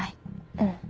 うん。